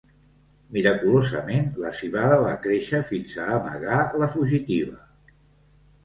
Miraculosament, la civada va créixer fins a amagar la fugitiva.